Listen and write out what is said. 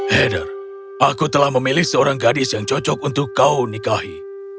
heather aku telah memilih seorang gadis yang cocok untuk kau nikahi